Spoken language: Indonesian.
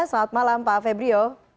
selamat malam pak febrio